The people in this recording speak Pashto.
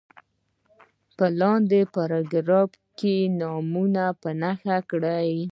په لاندې پاراګراف کې نومونه په نښه کړي.